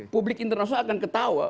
publik internasional akan ketawa